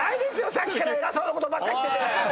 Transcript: さっきから偉そうなことばっか言ってて。